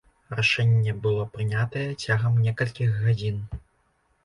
Рашэнне было прынятае цягам некалькіх гадзін.